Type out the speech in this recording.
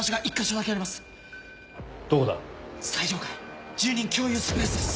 最上階住人共有スペースです。